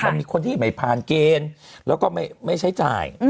มีคนที่ไม่ผ่านเกณฑ์แล้วก็ไม่ใช้จ่าย